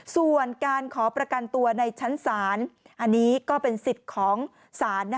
ส่วนการขอประกันตัวในชั้นศาลอันนี้ก็เป็นสิทธิ์ของศาล